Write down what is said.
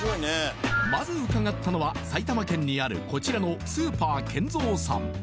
まず伺ったのは埼玉県にあるこちらのスーパーケンゾーさん